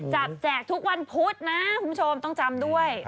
แจกทุกวันพุธนะคุณผู้ชมต้องจำด้วย